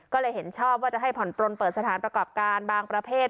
ก็เลยเห็นชอบว่าจะให้ผ่อนปลนเปิดสถานประกอบการบางประเภท